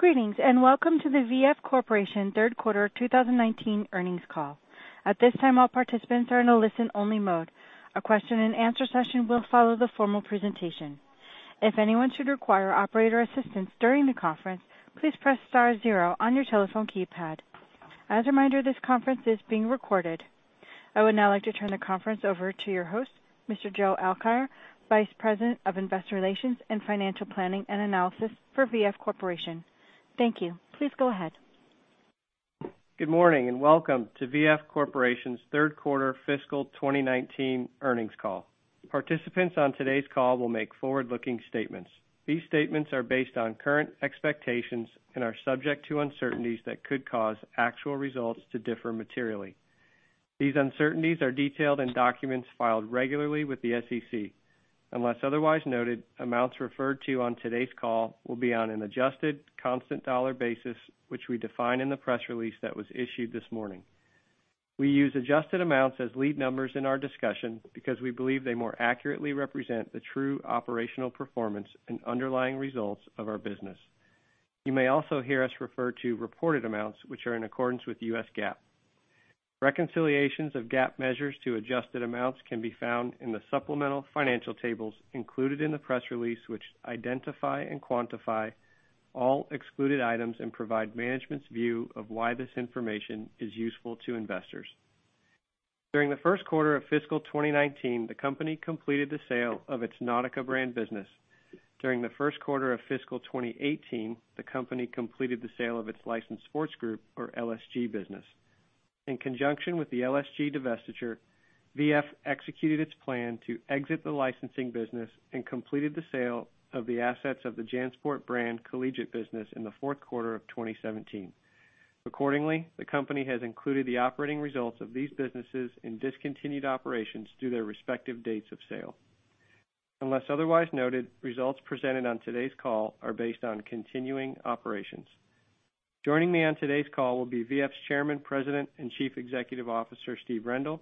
Greetings, and welcome to the VF Corporation Third Quarter 2019 Earnings Call. At this time, all participants are in a listen-only mode. A question and answer session will follow the formal presentation. If anyone should require operator assistance during the conference, please press star zero on your telephone keypad. As a reminder, this conference is being recorded. I would now like to turn the conference over to your host, Mr. Joe Alkire, Vice President of Investor Relations and Financial Planning and Analysis for VF Corporation. Thank you. Please go ahead. Good morning, and welcome to VF Corporation's Third Quarter Fiscal 2019 Earnings Call. Participants on today's call will make forward-looking statements. These statements are based on current expectations and are subject to uncertainties that could cause actual results to differ materially. These uncertainties are detailed in documents filed regularly with the SEC. Unless otherwise noted, amounts referred to on today's call will be on an adjusted constant dollar basis, which we define in the press release that was issued this morning. We use adjusted amounts as lead numbers in our discussion because we believe they more accurately represent the true operational performance and underlying results of our business. You may also hear us refer to reported amounts, which are in accordance with US GAAP. Reconciliations of GAAP measures to adjusted amounts can be found in the supplemental financial tables included in the press release, which identify and quantify all excluded items and provide management's view of why this information is useful to investors. During the first quarter of fiscal 2019, the company completed the sale of its Nautica brand business. During the first quarter of fiscal 2018, the company completed the sale of its Licensed Sports Group, or LSG business. In conjunction with the LSG divestiture, VF Corporation executed its plan to exit the licensing business and completed the sale of the assets of the JanSport brand collegiate business in the fourth quarter of 2017. Accordingly, the company has included the operating results of these businesses in discontinued operations through their respective dates of sale. Unless otherwise noted, results presented on today's call are based on continuing operations. Joining me on today's call will be VF's Chairman, President, and Chief Executive Officer, Steve Rendle,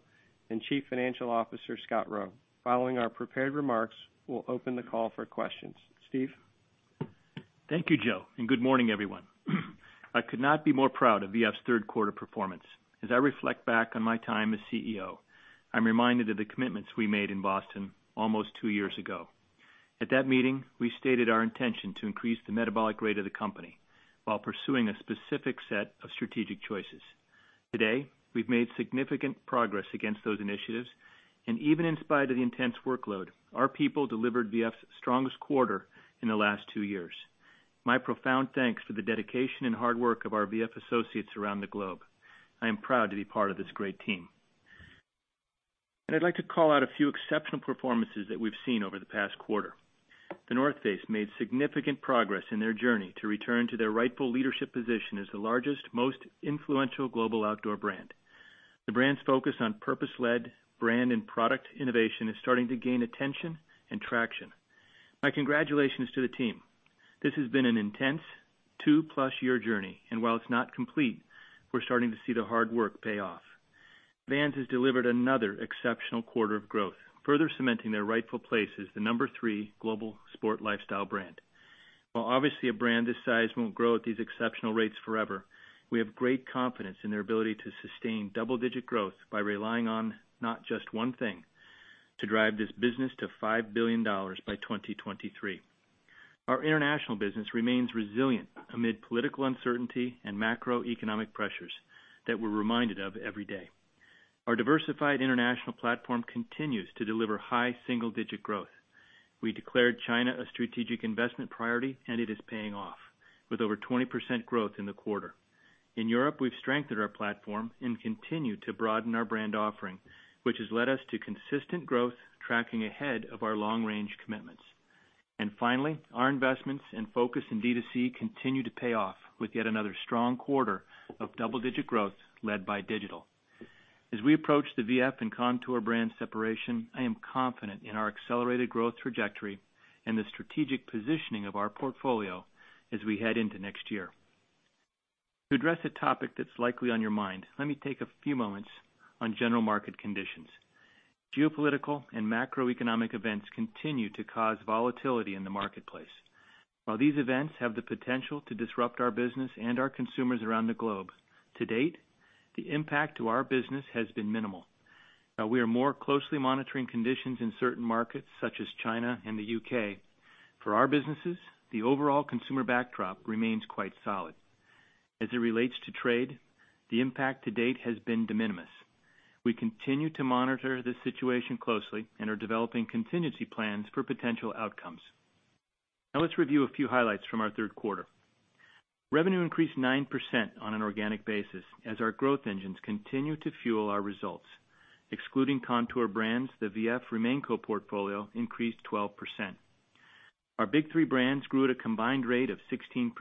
and Chief Financial Officer, Scott Roe. Following our prepared remarks, we'll open the call for questions. Steve? Thank you, Joe, and good morning, everyone. I could not be more proud of VF's third quarter performance. As I reflect back on my time as CEO, I'm reminded of the commitments we made in Boston almost two years ago. At that meeting, we stated our intention to increase the metabolic rate of the company while pursuing a specific set of strategic choices. Today, we've made significant progress against those initiatives, and even in spite of the intense workload, our people delivered VF's strongest quarter in the last two years. My profound thanks for the dedication and hard work of our VF associates around the globe. I am proud to be part of this great team. I'd like to call out a few exceptional performances that we've seen over the past quarter. The North Face made significant progress in their journey to return to their rightful leadership position as the largest, most influential global outdoor brand. The brand's focus on purpose-led brand and product innovation is starting to gain attention and traction. My congratulations to the team. This has been an intense two-plus year journey, and while it's not complete, we're starting to see the hard work pay off. Vans has delivered another exceptional quarter of growth, further cementing their rightful place as the number three global sport lifestyle brand. While obviously a brand this size won't grow at these exceptional rates forever, we have great confidence in their ability to sustain double-digit growth by relying on not just one thing to drive this business to $5 billion by 2023. Our international business remains resilient amid political uncertainty and macroeconomic pressures that we're reminded of every day. Our diversified international platform continues to deliver high single-digit growth. We declared China a strategic investment priority, and it is paying off, with over 20% growth in the quarter. In Europe, we've strengthened our platform and continue to broaden our brand offering, which has led us to consistent growth tracking ahead of our long-range commitments. Finally, our investments and focus in D2C continue to pay off with yet another strong quarter of double-digit growth led by digital. As we approach the VF and Kontoor Brands separation, I am confident in our accelerated growth trajectory and the strategic positioning of our portfolio as we head into next year. To address a topic that's likely on your mind, let me take a few moments on general market conditions. Geopolitical and macroeconomic events continue to cause volatility in the marketplace. While these events have the potential to disrupt our business and our consumers around the globe, to date, the impact to our business has been minimal. While we are more closely monitoring conditions in certain markets such as China and the U.K., for our businesses, the overall consumer backdrop remains quite solid. As it relates to trade, the impact to date has been de minimis. We continue to monitor this situation closely and are developing contingency plans for potential outcomes. Now let's review a few highlights from our third quarter. Revenue increased 9% on an organic basis as our growth engines continue to fuel our results. Excluding Kontoor Brands, the VF RemainCo portfolio increased 12%. Our Big Three brands grew at a combined rate of 16%,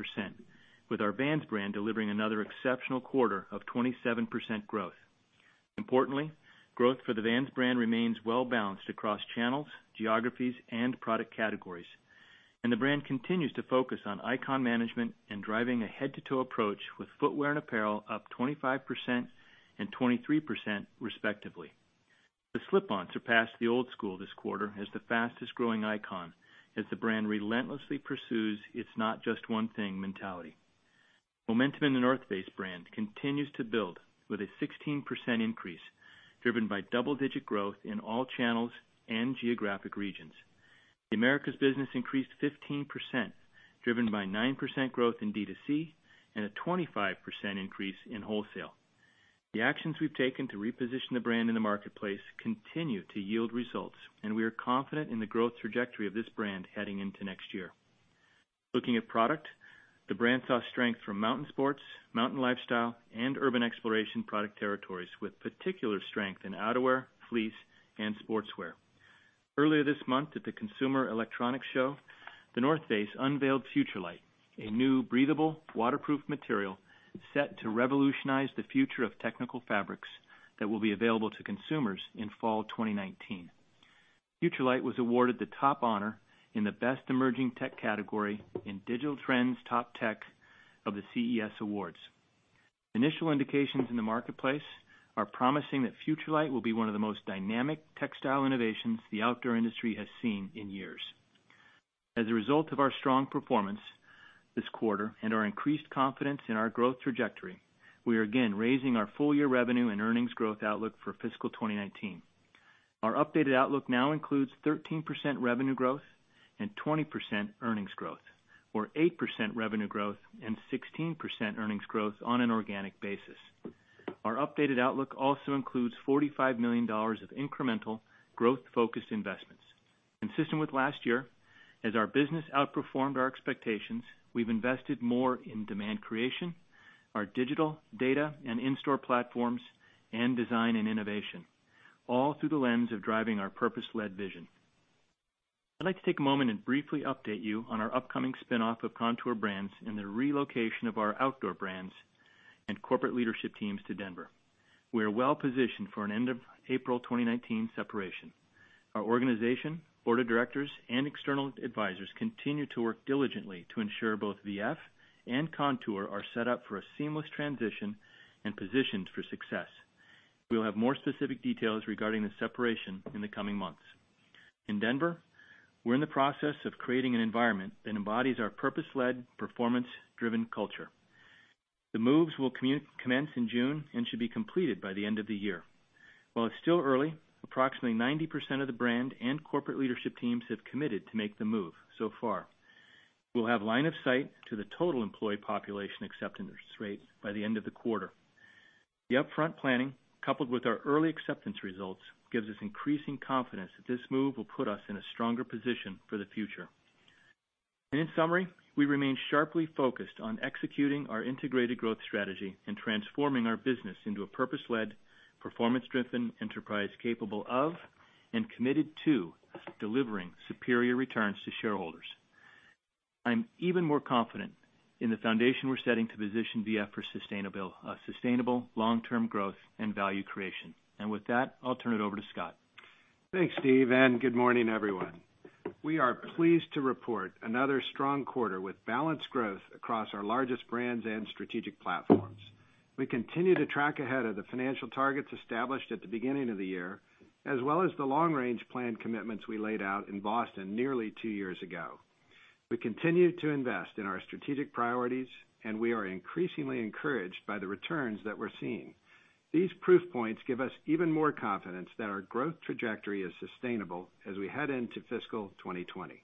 with our Vans brand delivering another exceptional quarter of 27% growth. Importantly, growth for the Vans brand remains well-balanced across channels, geographies, and product categories, and the brand continues to focus on icon management and driving a head-to-toe approach with footwear and apparel up 25% and 23% respectively. The slip-ons surpassed the Old Skool this quarter as the fastest-growing icon, as the brand relentlessly pursues its not-just-one-thing mentality. Momentum in The North Face brand continues to build with a 16% increase driven by double-digit growth in all channels and geographic regions. The Americas business increased 15%, driven by 9% growth in D2C and a 25% increase in wholesale. The actions we've taken to reposition the brand in the marketplace continue to yield results, and we are confident in the growth trajectory of this brand heading into next year. Looking at product, the brand saw strength from mountain sports, mountain lifestyle, and urban exploration product territories, with particular strength in outerwear, fleece, and sportswear. Earlier this month at the Consumer Electronics Show, The North Face unveiled FUTURELIGHT, a new breathable, waterproof material set to revolutionize the future of technical fabrics that will be available to consumers in fall 2019. FUTURELIGHT was awarded the top honor in the Best Emerging Tech category in Digital Trends Top Tech of the CES awards. Initial indications in the marketplace are promising that FUTURELIGHT will be one of the most dynamic textile innovations the outdoor industry has seen in years. As a result of our strong performance this quarter and our increased confidence in our growth trajectory, we are again raising our full-year revenue and earnings growth outlook for fiscal 2019. Our updated outlook now includes 13% revenue growth and 20% earnings growth or 8% revenue growth and 16% earnings growth on an organic basis. Our updated outlook also includes $45 million of incremental growth-focused investments. Consistent with last year, as our business outperformed our expectations, we've invested more in demand creation, our digital data and in-store platforms, and design and innovation, all through the lens of driving our purpose-led vision. I'd like to take a moment and briefly update you on our upcoming spin-off of Kontoor Brands and the relocation of our outdoor brands and corporate leadership teams to Denver. We are well-positioned for an end-of-April 2019 separation. Our organization, board of directors, and external advisors continue to work diligently to ensure both VF and Kontoor are set up for a seamless transition and positioned for success. We'll have more specific details regarding the separation in the coming months. In Denver, we're in the process of creating an environment that embodies our purpose-led, performance-driven culture. The moves will commence in June and should be completed by the end of the year. While it's still early, approximately 90% of the brand and corporate leadership teams have committed to make the move so far. We'll have line of sight to the total employee population acceptance rate by the end of the quarter. The upfront planning, coupled with our early acceptance results, gives us increasing confidence that this move will put us in a stronger position for the future. In summary, we remain sharply focused on executing our integrated growth strategy and transforming our business into a purpose-led, performance-driven enterprise capable of and committed to delivering superior returns to shareholders. I'm even more confident in the foundation we're setting to position VF for sustainable long-term growth and value creation. With that, I'll turn it over to Scott. Thanks, Steve, and good morning, everyone. We are pleased to report another strong quarter with balanced growth across our largest brands and strategic platforms. We continue to track ahead of the financial targets established at the beginning of the year, as well as the long-range plan commitments we laid out in Boston nearly two years ago. We continue to invest in our strategic priorities, and we are increasingly encouraged by the returns that we're seeing. These proof points give us even more confidence that our growth trajectory is sustainable as we head into fiscal 2020.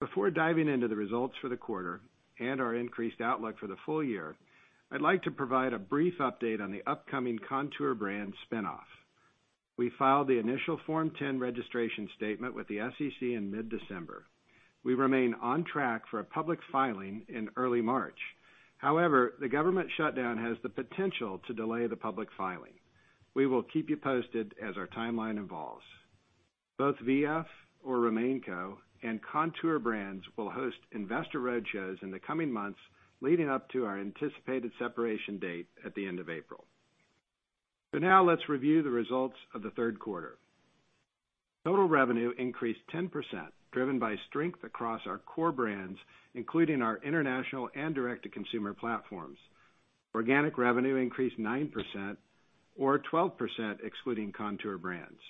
Before diving into the results for the quarter and our increased outlook for the full year, I'd like to provide a brief update on the upcoming Kontoor Brands spin-off. We filed the initial Form 10 registration statement with the SEC in mid-December. We remain on track for a public filing in early March. The government shutdown has the potential to delay the public filing. We will keep you posted as our timeline evolves. Both VF or RemainCo and Kontoor Brands will host investor roadshows in the coming months leading up to our anticipated separation date at the end of April. Now let's review the results of the third quarter. Total revenue increased 10%, driven by strength across our core brands, including our international and direct-to-consumer platforms. Organic revenue increased 9% or 12% excluding Kontoor Brands.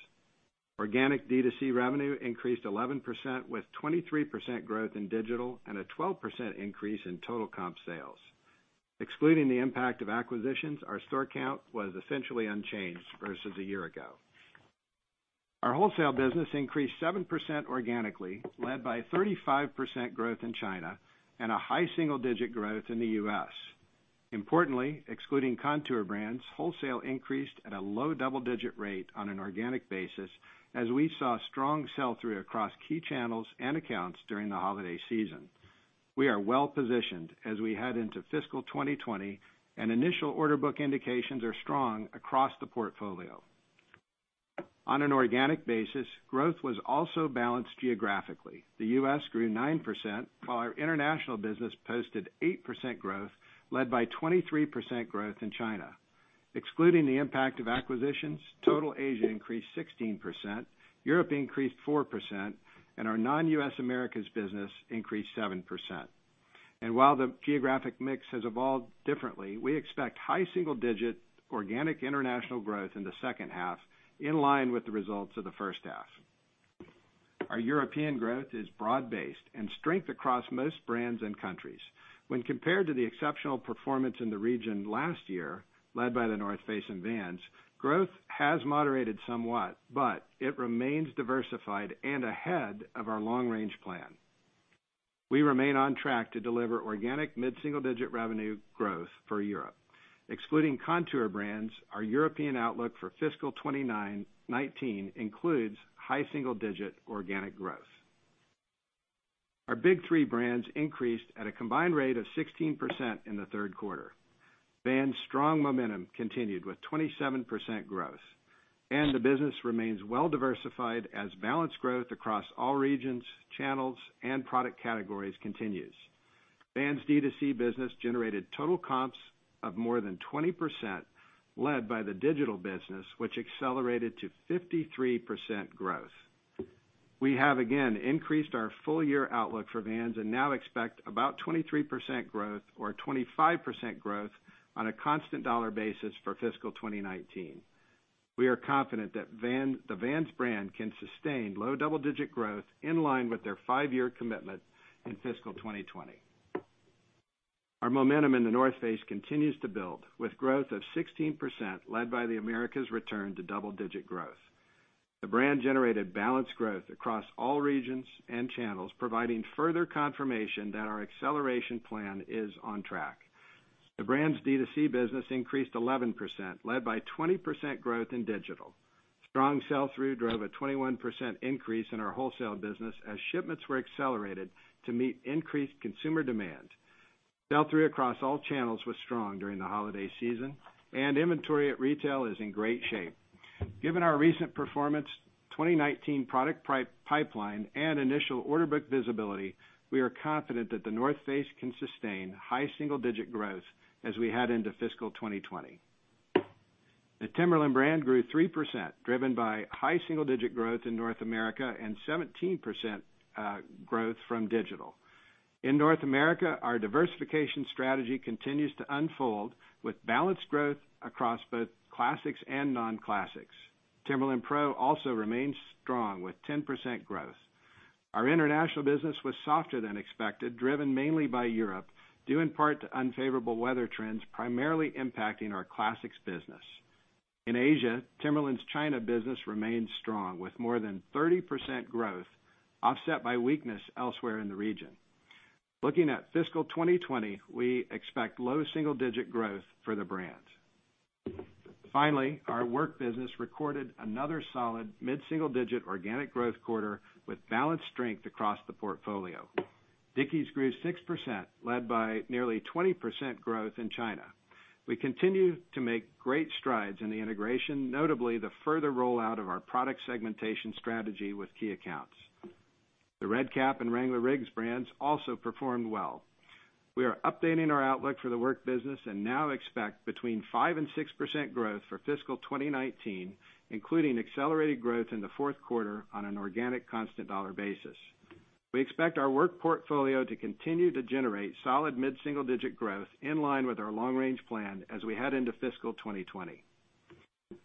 Organic D2C revenue increased 11% with 23% growth in digital and a 12% increase in total comp sales. Excluding the impact of acquisitions, our store count was essentially unchanged versus a year ago. Our wholesale business increased 7% organically, led by 35% growth in China and a high single-digit growth in the U.S. Importantly, excluding Kontoor Brands, wholesale increased at a low double-digit rate on an organic basis as we saw strong sell-through across key channels and accounts during the holiday season. We are well-positioned as we head into fiscal 2020. Initial order book indications are strong across the portfolio. On an organic basis, growth was also balanced geographically. The U.S. grew 9%, while our international business posted 8% growth, led by 23% growth in China. Excluding the impact of acquisitions, total Asia increased 16%, Europe increased 4%, and our non-U.S. Americas business increased 7%. While the geographic mix has evolved differently, we expect high single-digit organic international growth in the second half, in line with the results of the first half. Our European growth is broad-based and strength across most brands and countries. When compared to the exceptional performance in the region last year, led by The North Face and Vans, growth has moderated somewhat, but it remains diversified and ahead of our long-range plan. We remain on track to deliver organic mid-single-digit revenue growth for Europe. Excluding Kontoor Brands, our European outlook for fiscal 2019 includes high single-digit organic growth. Our Big Three brands increased at a combined rate of 16% in the third quarter. Vans' strong momentum continued with 27% growth, and the business remains well-diversified as balanced growth across all regions, channels, and product categories continues. Vans' D2C business generated total comps of more than 20%, led by the digital business, which accelerated to 53% growth. We have again increased our full-year outlook for Vans and now expect about 23% growth or 25% growth on a constant dollar basis for fiscal 2019. We are confident that the Vans brand can sustain low double-digit growth in line with their five-year commitment in fiscal 2020. Our momentum in The North Face continues to build, with growth of 16%, led by the Americas' return to double-digit growth. The brand generated balanced growth across all regions and channels, providing further confirmation that our acceleration plan is on track. The brand's D2C business increased 11%, led by 20% growth in digital. Strong sell-through drove a 21% increase in our wholesale business as shipments were accelerated to meet increased consumer demand. Sell-through across all channels was strong during the holiday season, and inventory at retail is in great shape. Given our recent performance, 2019 product pipeline, and initial order book visibility, we are confident that The North Face can sustain high single-digit growth as we head into fiscal 2020. The Timberland brand grew 3%, driven by high single-digit growth in North America and 17% growth from digital. In North America, our diversification strategy continues to unfold, with balanced growth across both classics and non-classics. Timberland PRO also remains strong with 10% growth. Our international business was softer than expected, driven mainly by Europe, due in part to unfavorable weather trends primarily impacting our classics business. In Asia, Timberland's China business remains strong, with more than 30% growth offset by weakness elsewhere in the region. Looking at fiscal 2020, we expect low double-digit growth for the brands. Finally, our work business recorded another solid mid-single-digit organic growth quarter with balanced strength across the portfolio. Dickies grew 6%, led by nearly 20% growth in China. We continue to make great strides in the integration, notably the further rollout of our product segmentation strategy with key accounts. The Red Kap and Wrangler RIGGS brands also performed well. We are updating our outlook for the work business and now expect between 5% and 6% growth for fiscal 2019, including accelerated growth in the fourth quarter on an organic constant dollar basis. We expect our work portfolio to continue to generate solid mid-single-digit growth in line with our long-range plan as we head into fiscal 2020.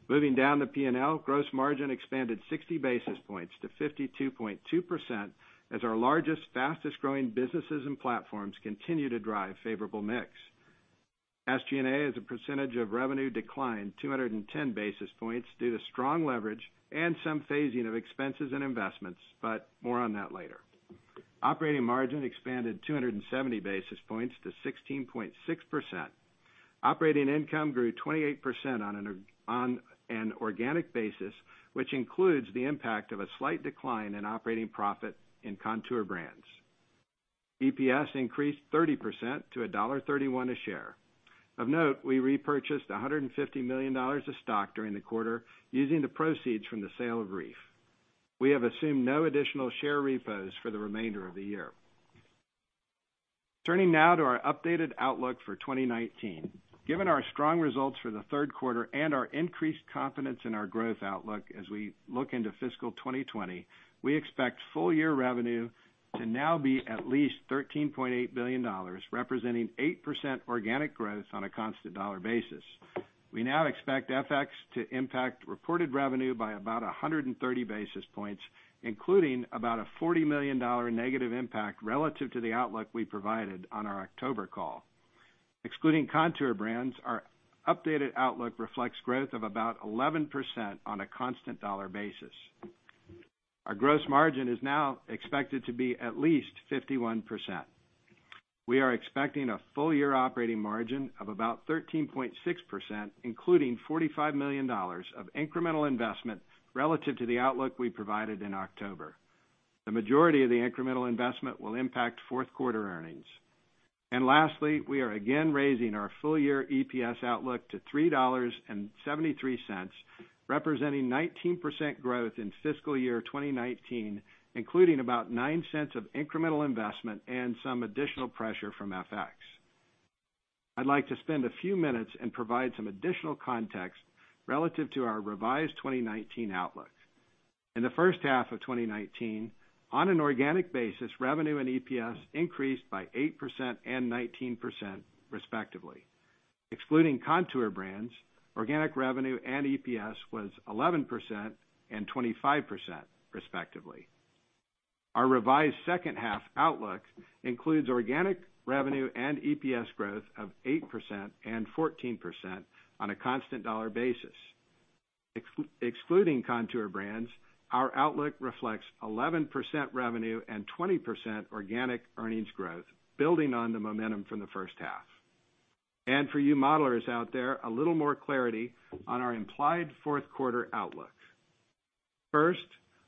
Moving down the P&L, gross margin expanded 60 basis points to 52.2% as our largest, fastest-growing businesses and platforms continue to drive favorable mix. SG&A as a percentage of revenue declined 210 basis points due to strong leverage and some phasing of expenses and investments, but more on that later. Operating margin expanded 270 basis points to 16.6%. Operating income grew 28% on an organic basis, which includes the impact of a slight decline in operating profit in Kontoor Brands. EPS increased 30% to $1.31 a share. Of note, we repurchased $150 million of stock during the quarter using the proceeds from the sale of Reef. We have assumed no additional share repos for the remainder of the year. Turning now to our updated outlook for 2019. Given our strong results for the third quarter and our increased confidence in our growth outlook as we look into fiscal 2020, we expect full-year revenue to now be at least $13.8 billion, representing 8% organic growth on a constant dollar basis. We now expect FX to impact reported revenue by about 130 basis points, including about a $40 million negative impact relative to the outlook we provided on our October call. Excluding Kontoor Brands, our updated outlook reflects growth of about 11% on a constant dollar basis. Our gross margin is now expected to be at least 51%. We are expecting a full-year operating margin of about 13.6%, including $45 million of incremental investment relative to the outlook we provided in October. The majority of the incremental investment will impact fourth quarter earnings. Lastly, we are again raising our full-year EPS outlook to $3.73, representing 19% growth in fiscal year 2019, including about $0.09 of incremental investment and some additional pressure from FX. I'd like to spend a few minutes and provide some additional context relative to our revised 2019 outlook. In the first half of 2019, on an organic basis, revenue and EPS increased by 8% and 19%, respectively. Excluding Kontoor Brands, organic revenue and EPS was 11% and 25%, respectively. Our revised second half outlook includes organic revenue and EPS growth of 8% and 14% on a constant dollar basis. Excluding Kontoor Brands, our outlook reflects 11% revenue and 20% organic earnings growth, building on the momentum from the first half. For you modelers out there, a little more clarity on our implied fourth quarter outlook. First,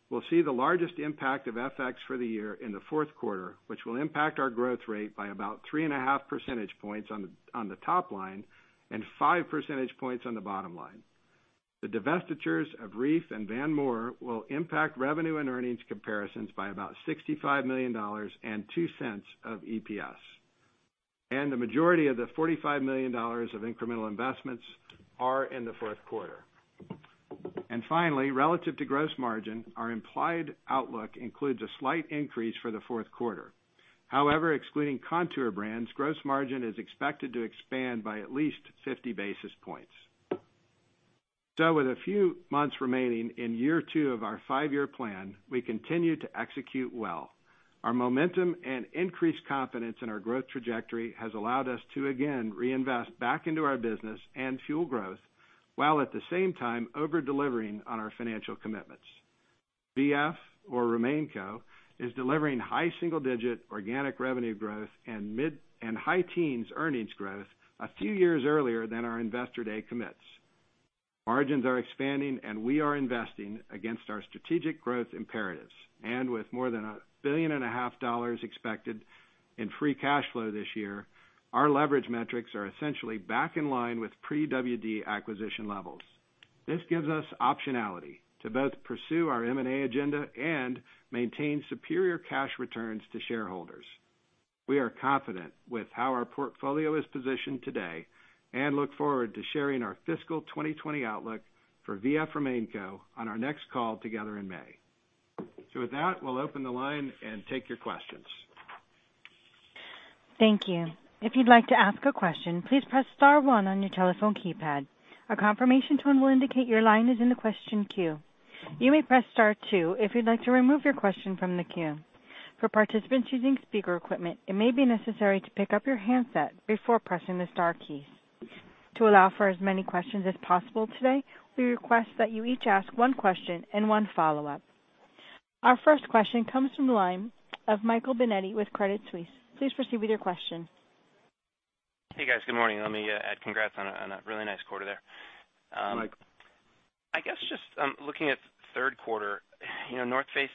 we'll see the largest impact of FX for the year in the fourth quarter, which will impact our growth rate by about 3.5 percentage points on the top line, and 5 percentage points on the bottom line. The divestitures of Reef and Van Moore will impact revenue and earnings comparisons by about $65 million and $0.02 of EPS. The majority of the $45 million of incremental investments are in the fourth quarter. Finally, relative to gross margin, our implied outlook includes a slight increase for the fourth quarter. However, excluding Kontoor Brands, gross margin is expected to expand by at least 50 basis points. With a few months remaining in year two of our five-year plan, we continue to execute well. Our momentum and increased confidence in our growth trajectory has allowed us to again reinvest back into our business and fuel growth, while at the same time over-delivering on our financial commitments. VF or RemainCo is delivering high single-digit organic revenue growth and high teens earnings growth a few years earlier than our investor day commits. Margins are expanding, and we are investing against our strategic growth imperatives. With more than a billion and a half dollars expected in free cash flow this year, our leverage metrics are essentially back in line with pre-WD acquisition levels. This gives us optionality to both pursue our M&A agenda and maintain superior cash returns to shareholders. We are confident with how our portfolio is positioned today and look forward to sharing our fiscal 2020 outlook for VF RemainCo on our next call together in May. With that, we'll open the line and take your questions. Thank you. If you'd like to ask a question, please press star one on your telephone keypad. A confirmation tone will indicate your line is in the question queue. You may press star two if you'd like to remove your question from the queue. For participants using speaker equipment, it may be necessary to pick up your handset before pressing the star keys. To allow for as many questions as possible today, we request that you each ask one question and one follow-up. Our first question comes from the line of Michael Binetti with Credit Suisse. Please proceed with your question. Hey, guys. Good morning. Let me add congrats on a really nice quarter there. Mike. I guess just looking at third quarter, The North Face,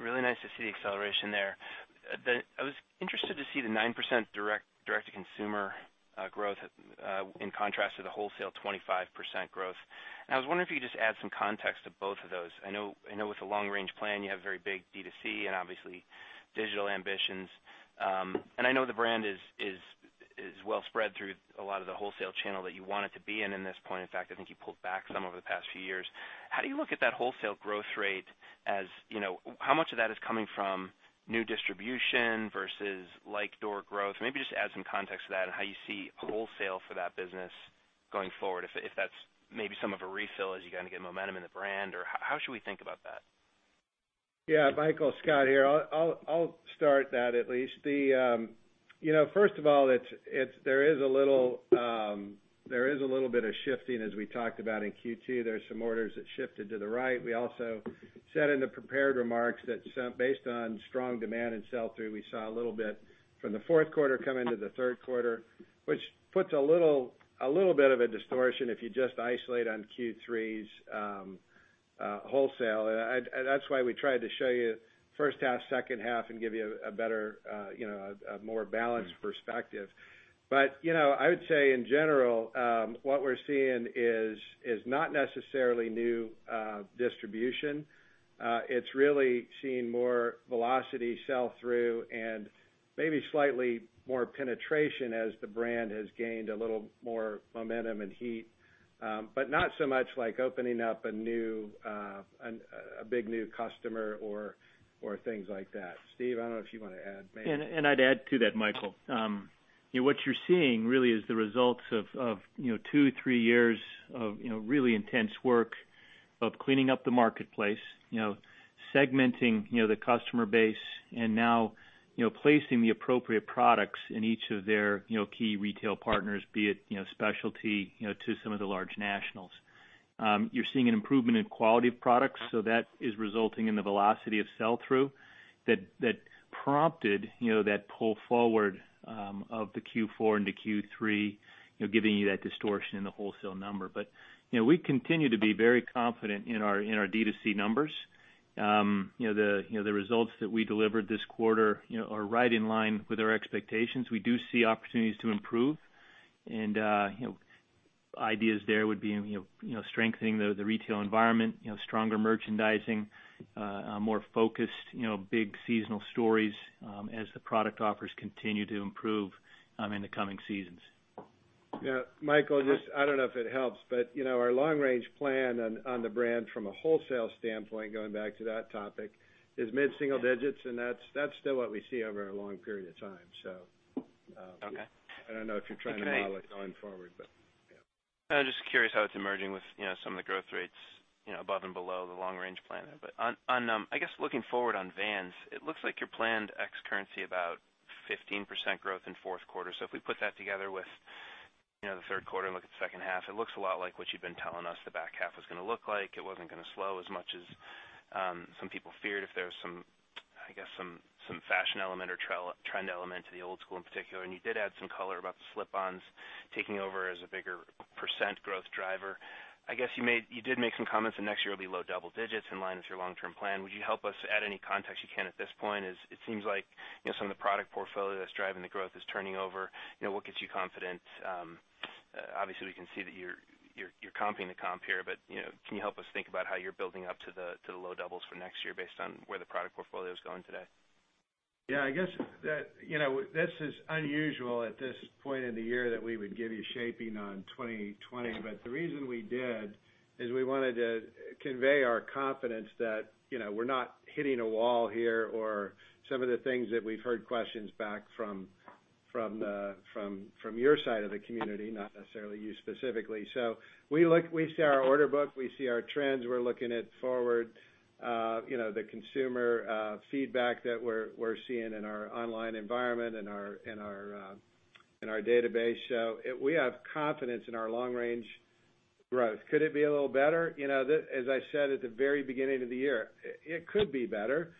really nice to see the acceleration there. I was interested to see the 9% direct-to-consumer growth in contrast to the wholesale 25% growth. I was wondering if you could just add some context to both of those. I know with the long-range plan, you have very big D2C and obviously digital ambitions. I know the brand is well spread through a lot of the wholesale channel that you want it to be in this point. In fact, I think you pulled back some over the past few years. How do you look at that wholesale growth rate as how much of that is coming from new distribution versus like door growth? Maybe just add some context to that and how you see wholesale for that business going forward. If that's maybe some of a refill as you get momentum in the brand, or how should we think about that? Yeah. Michael, Scott here. I'll start that at least. First of all, there is a little bit of shifting, as we talked about in Q2. There's some orders that shifted to the right. We also said in the prepared remarks that based on strong demand and sell-through, we saw a little bit from the fourth quarter come into the third quarter, which puts a little bit of a distortion if you just isolate on Q3's wholesale. That's why we tried to show you first half, second half, and give you a more balanced perspective. I would say in general, what we're seeing is not necessarily new distribution. It's really seeing more velocity sell-through and maybe slightly more penetration as the brand has gained a little more momentum and heat. Not so much like opening up a big new customer or things like that. Steve, I don't know if you want to add maybe. I'd add to that, Michael. What you're seeing really is the results of two, three years of really intense work of cleaning up the marketplace, segmenting the customer base, and now placing the appropriate products in each of their key retail partners, be it specialty to some of the large nationals. You're seeing an improvement in quality of products, that is resulting in the velocity of sell-through that prompted that pull forward of the Q4 into Q3, giving you that distortion in the wholesale number. We continue to be very confident in our D2C numbers. The results that we delivered this quarter are right in line with our expectations. We do see opportunities to improve and ideas there would be strengthening the retail environment, stronger merchandising, more focused, big seasonal stories as the product offers continue to improve in the coming seasons. Yeah. Michael, I don't know if it helps, but our long-range plan on the brand from a wholesale standpoint, going back to that topic, is mid-single digits, and that's still what we see over a long period of time. Okay I don't know if you're trying to model it going forward, but yeah. Just curious how it's emerging with some of the growth rates above and below the long-range plan. I guess looking forward on Vans, it looks like your planned ex currency about 15% growth in fourth quarter. If we put that together with the third quarter, look at the second half, it looks a lot like what you've been telling us the back half was going to look like. It wasn't going to slow as much as some people feared. If there was some, I guess, some fashion element or trend element to the Old Skool in particular, and you did add some color about the slip-ons taking over as a bigger percent growth driver. I guess you did make some comments that next year will be low double digits in line with your long-term plan. Would you help us add any context you can at this point? It seems like some of the product portfolio that's driving the growth is turning over. What gets you confident? Obviously, we can see that you're comping the comp here, can you help us think about how you're building up to the low doubles for next year based on where the product portfolio is going today? Yeah, I guess that this is unusual at this point in the year that we would give you shaping on 2020. The reason we did is we wanted to convey our confidence that we're not hitting a wall here or some of the things that we've heard questions back from your side of the community, not necessarily you specifically. We look, we see our order book, we see our trends, we're looking at forward, the consumer feedback that we're seeing in our online environment and in our database. We have confidence in our long-range growth. Could it be a little better? As I said at the very beginning of the year, it could be better.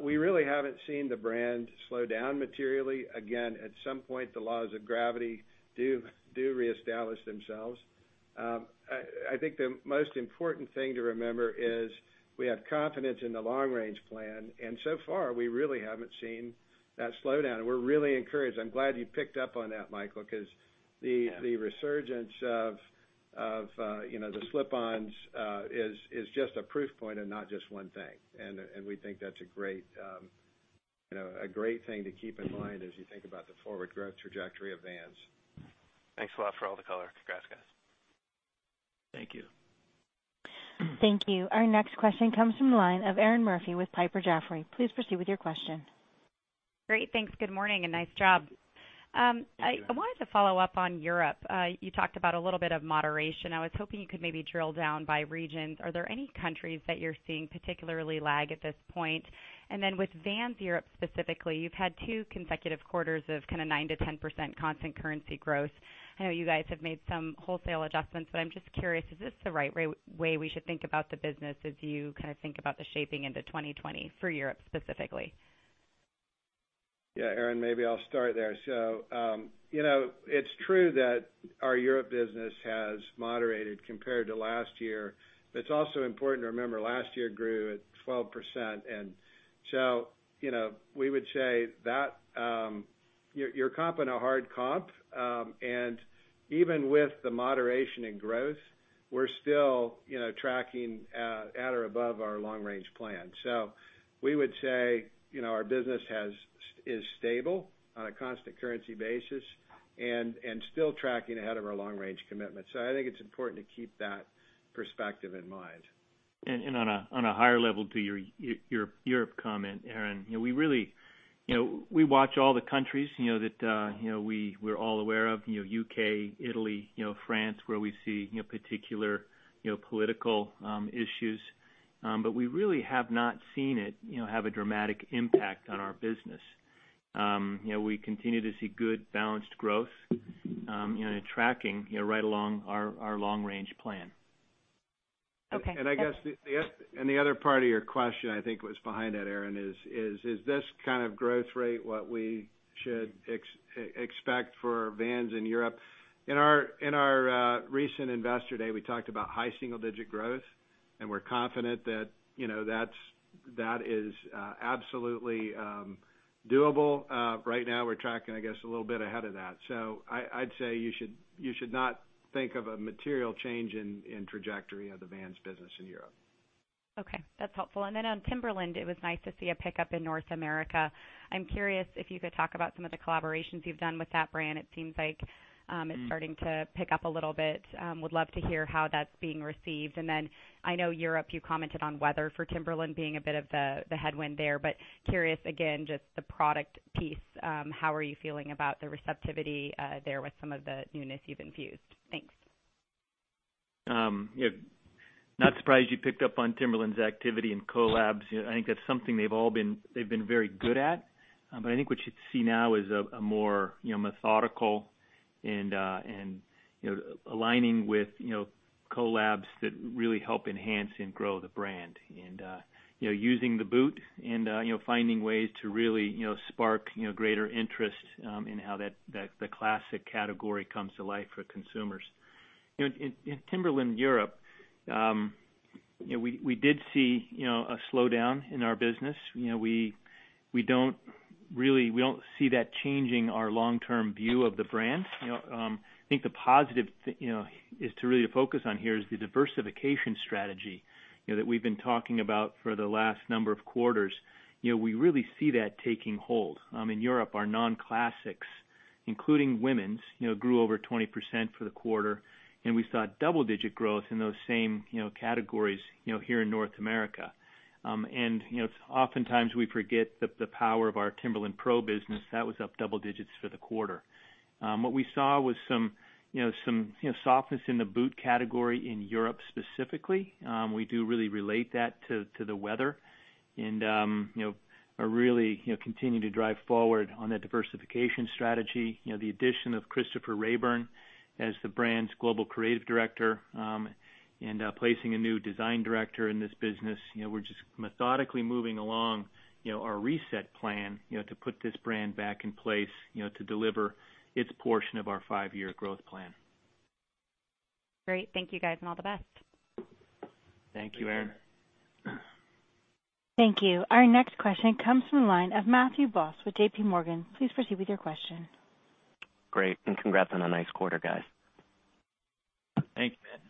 We really haven't seen the brand slow down materially. At some point, the laws of gravity do reestablish themselves. I think the most important thing to remember is we have confidence in the long-range plan, and so far we really haven't seen that slow down, and we're really encouraged. I'm glad you picked up on that, Michael. Yeah The resurgence of the slip-ons is just a proof point and not just one thing. We think that's a great thing to keep in mind as you think about the forward growth trajectory of Vans. Thanks a lot for all the color. Congrats, guys. Thank you. Thank you. Our next question comes from the line of Erinn Murphy with Piper Sandler. Please proceed with your question. Great. Thanks. Good morning. Nice job. Thank you. I wanted to follow up on Europe. You talked about a little bit of moderation. I was hoping you could maybe drill down by region. Are there any countries that you're seeing particularly lag at this point? Then with Vans Europe specifically, you've had two consecutive quarters of kind of 9% to 10% constant currency growth. I know you guys have made some wholesale adjustments, but I'm just curious, is this the right way we should think about the business as you kind of think about the shaping into 2020 for Europe specifically? Yeah, Erinn, maybe I'll start there. It's true that our Europe business has moderated compared to last year. It's also important to remember last year grew at 12%. We would say that you're comping a hard comp, and even with the moderation in growth, we're still tracking at or above our long range plan. We would say our business is stable on a constant currency basis and still tracking ahead of our long range commitment. I think it's important to keep that perspective in mind. On a higher level to your Europe comment, Erinn, we watch all the countries that we're all aware of, U.K., Italy, France, where we see particular political issues. We really have not seen it have a dramatic impact on our business. We continue to see good balanced growth and tracking right along our long range plan. Okay. I guess the other part of your question I think was behind that, Erinn, is this kind of growth rate what we should expect for Vans in Europe? In our recent investor day, we talked about high single digit growth, and we're confident that is absolutely doable. Right now we're tracking, I guess, a little bit ahead of that. I'd say you should not think of a material change in trajectory of the Vans business in Europe. Okay, that's helpful. Then on Timberland, it was nice to see a pickup in North America. I'm curious if you could talk about some of the collaborations you've done with that brand. It seems like it's starting to pick up a little bit. Would love to hear how that's being received. I know Europe, you commented on weather for Timberland being a bit of the headwind there, but curious again, just the product piece. How are you feeling about the receptivity there with some of the newness you've infused? Thanks. Not surprised you picked up on Timberland's activity and collabs. I think that's something they've been very good at. I think what you'd see now is a more methodical and aligning with collabs that really help enhance and grow the brand. Using the boot and finding ways to really spark greater interest in how the classic category comes to life for consumers. In Timberland Europe We did see a slowdown in our business. We don't see that changing our long-term view of the brand. I think the positive is to really focus on here is the diversification strategy, that we've been talking about for the last number of quarters. We really see that taking hold. In Europe, our non-classics, including women's, grew over 20% for the quarter. We saw double-digit growth in those same categories here in North America. Oftentimes we forget the power of our Timberland PRO business. That was up double digits for the quarter. What we saw was some softness in the boot category in Europe specifically. We do really relate that to the weather and are really continuing to drive forward on that diversification strategy. The addition of Christopher Raeburn as the brand's Global Creative Director, and placing a new design director in this business. We're just methodically moving along our reset plan, to put this brand back in place, to deliver its portion of our five-year growth plan. Great. Thank you guys, and all the best. Thank you, Erinn. Thank you. Our next question comes from the line of Matthew Boss with JPMorgan. Please proceed with your question. Great, and congrats on a nice quarter, guys. Thanks, Matt.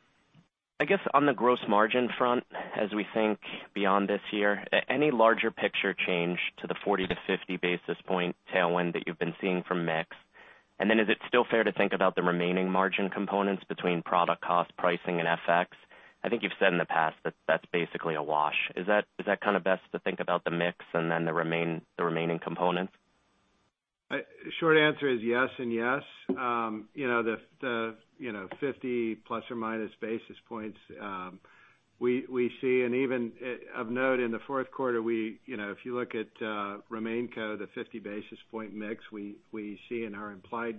I guess on the gross margin front, as we think beyond this year, any larger picture change to the 40 to 50 basis point tailwind that you've been seeing from mix? Is it still fair to think about the remaining margin components between product cost, pricing, and FX? I think you've said in the past that's basically a wash. Is that best to think about the mix and then the remaining components? Short answer is yes and yes. The 50± basis points, we see and even of note in the fourth quarter, if you look at RemainCo, the 50 basis point mix, we see in our implied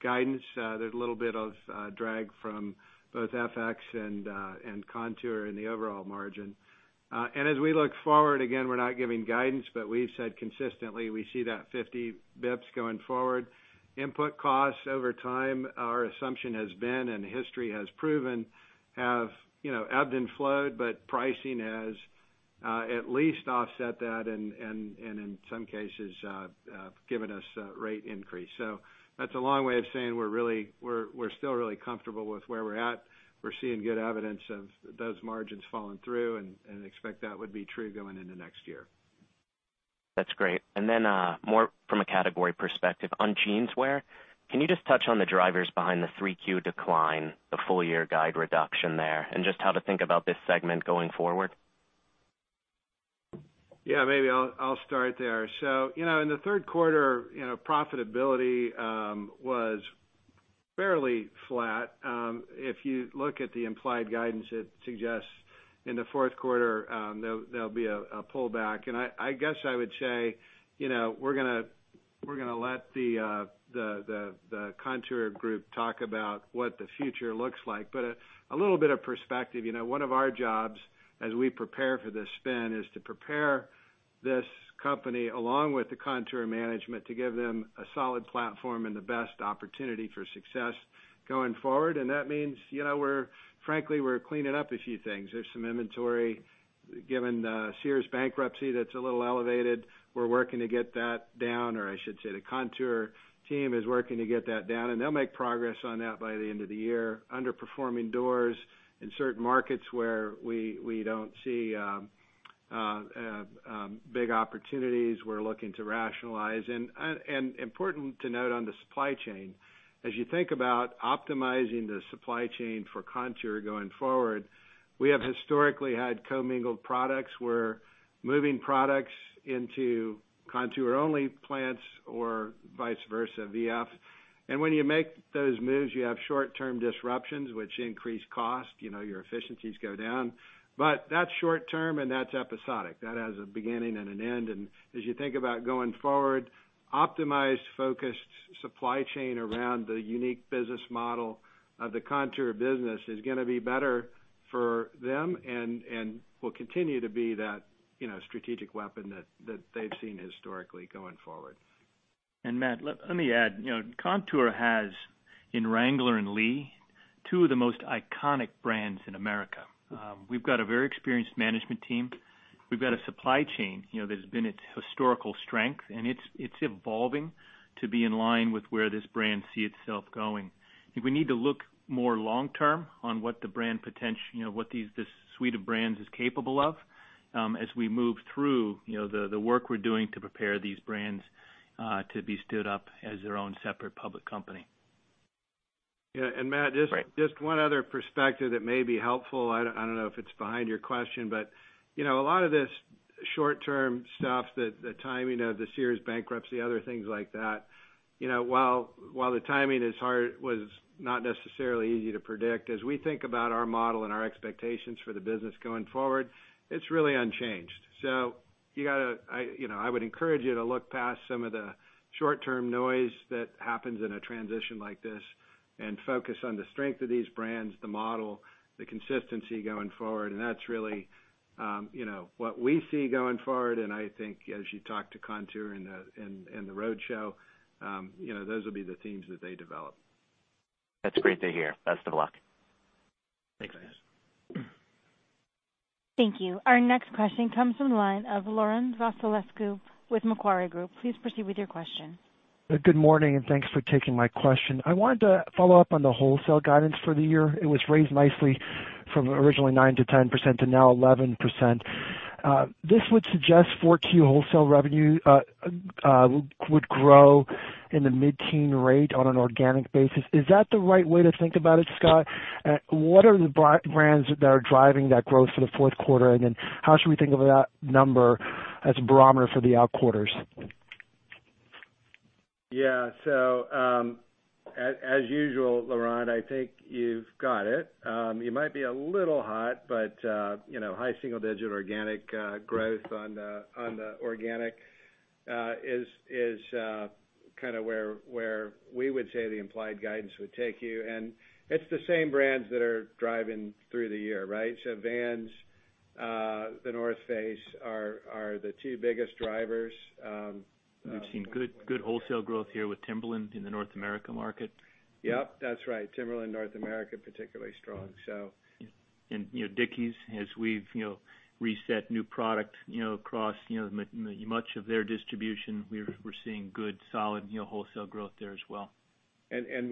guidance, there's a little bit of drag from both FX and Kontoor in the overall margin. As we look forward, again, we're not giving guidance, but we've said consistently, we see that 50 basis points going forward. Input costs over time, our assumption has been and the history has proven, have ebbed and flowed, pricing has at least offset that and in some cases, given us rate increase. That's a long way of saying we're still really comfortable with where we're at. We're seeing good evidence of those margins falling through and expect that would be true going into next year. That's great. Then, more from a category perspective. On Jeanswear, can you just touch on the drivers behind the 3Q decline, the full-year guide reduction there, and just how to think about this segment going forward? Yeah, maybe I'll start there. In the third quarter, profitability was fairly flat. If you look at the implied guidance, it suggests in the fourth quarter, there'll be a pullback. I guess I would say, we're going to let the Kontoor talk about what the future looks like. A little bit of perspective. One of our jobs as we prepare for this spin is to prepare this company along with the Kontoor management to give them a solid platform and the best opportunity for success going forward. That means, frankly, we're cleaning up a few things. There's some inventory, given Sears bankruptcy, that's a little elevated. We're working to get that down, or I should say the Kontoor team is working to get that down, and they'll make progress on that by the end of the year. Underperforming doors in certain markets where we don't see big opportunities, we're looking to rationalize. Important to note on the supply chain, as you think about optimizing the supply chain for Kontoor going forward, we have historically had commingled products. We're moving products into Kontoor-only plants or vice versa, VF. When you make those moves, you have short-term disruptions, which increase cost. Your efficiencies go down. That's short-term and that's episodic. That has a beginning and an end. As you think about going forward, optimized, focused supply chain around the unique business model of the Kontoor business is going to be better for them and will continue to be that strategic weapon that they've seen historically going forward. Matt, let me add. Kontoor has, in Wrangler and Lee, two of the most iconic brands in America. We've got a very experienced management team. We've got a supply chain that has been its historical strength, and it's evolving to be in line with where this brand see itself going. I think we need to look more long-term on what this suite of brands is capable of, as we move through the work we're doing to prepare these brands to be stood up as their own separate public company. Yeah. Matt, just one other perspective that may be helpful. I don't know if it's behind your question, a lot of this short-term stuff, the timing of the Sears bankruptcy, other things like that. While the timing was not necessarily easy to predict, as we think about our model and our expectations for the business going forward, it's really unchanged. I would encourage you to look past some of the short-term noise that happens in a transition like this and focus on the strength of these brands, the model, the consistency going forward. That's really what we see going forward, and I think as you talk to Kontoor in the roadshow, those will be the themes that they develop. That's great to hear. Best of luck. Thanks, guys. Thank you. Our next question comes from the line of Laurent Vasilescu with Macquarie Group. Please proceed with your question. Good morning. Thanks for taking my question. I wanted to follow up on the wholesale guidance for the year. It was raised nicely from originally 9% to 10% to now 11%. This would suggest 4.2 wholesale revenue would grow in the mid-teen rate on an organic basis. Is that the right way to think about it, Scott? Then how should we think of that number as a barometer for the out quarters? Yeah. As usual, Laurent, I think you've got it. You might be a little hot, but high single-digit organic growth on the organic is where we would say the implied guidance would take you. It's the same brands that are driving through the year, right? Vans, The North Face are the two biggest drivers. We've seen good wholesale growth here with Timberland in the North America market. Yep. That's right. Timberland North America, particularly strong. Dickies, as we've reset new product across much of their distribution, we're seeing good, solid, wholesale growth there as well. In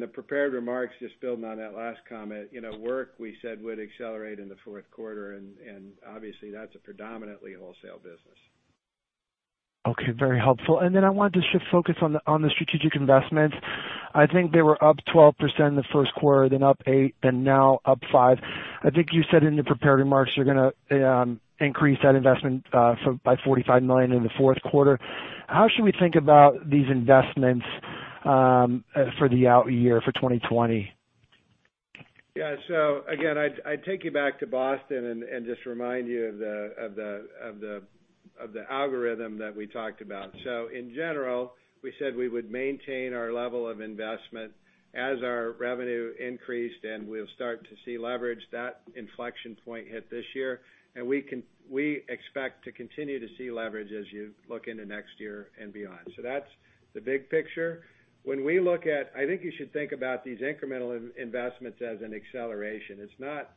the prepared remarks, just building on that last comment, work, we said, would accelerate in the fourth quarter, and obviously, that's a predominantly wholesale business. Okay. Very helpful. I wanted to shift focus on the strategic investments. I think they were up 12% in the first quarter, then up eight, and now up five. I think you said in the prepared remarks you're going to increase that investment by $45 million in the fourth quarter. How should we think about these investments for the out year for 2020? Yeah. Again, I'd take you back to Boston and just remind you of the algorithm that we talked about. In general, we said we would maintain our level of investment as our revenue increased, and we'll start to see leverage. That inflection point hit this year, and we expect to continue to see leverage as you look into next year and beyond. That's the big picture. I think you should think about these incremental investments as an acceleration. It's not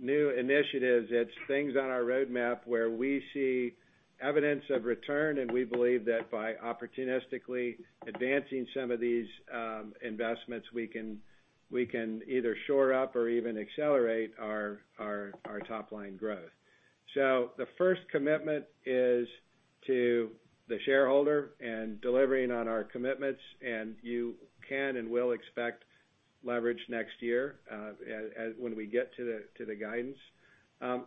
new initiatives. It's things on our roadmap where we see evidence of return, and we believe that by opportunistically advancing some of these investments, we can either shore up or even accelerate our top-line growth. The first commitment is to the shareholder and delivering on our commitments, and you can and will expect leverage next year, when we get to the guidance.